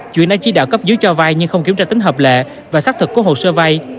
chuyển đã chỉ đạo cấp giữ cho vai nhưng không kiểm tra tính hợp lệ và xác thực của hồ sơ vai